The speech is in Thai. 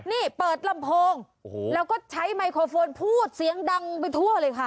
นี่เปิดลำโพงแล้วก็ใช้ไมโครโฟนพูดเสียงดังไปทั่วเลยค่ะ